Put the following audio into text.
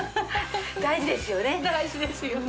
大事ですよね。